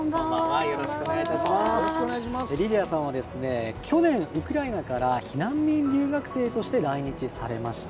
リリアさんは去年ウクライナから避難民留学生として来日されました。